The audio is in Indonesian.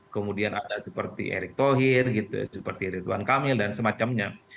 kemudian ada seperti erick thohir gitu seperti ridwan kamil dan semacamnya